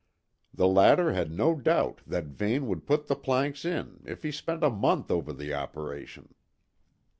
The latter had no doubt that Vane would put the planks in, if he spent a month over the operation.